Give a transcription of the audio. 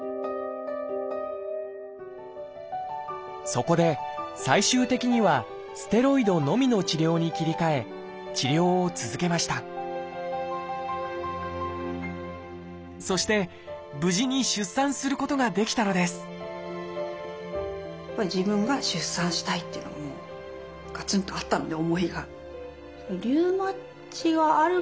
そこで最終的にはステロイドのみの治療に切り替え治療を続けましたそして無事に出産することができたのですっていうそういう考えできたので。